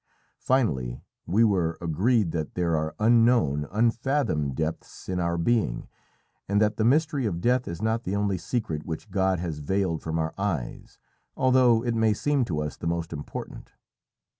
Finally, we were agreed that there are unknown, unfathomed depths in our being, and that the mystery of death is not the only secret which God has veiled from our eyes, although it may seem to us the most important.